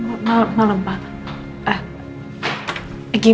selamat malam ibu andin